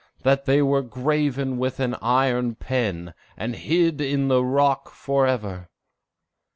that they were graven with an iron pen, and hid in the rock forever!"